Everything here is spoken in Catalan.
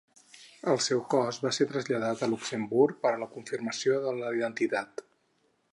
El seu cos va ser traslladat a Luxemburg per a la confirmació de la identitat.